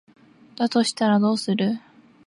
だとしたらどうする？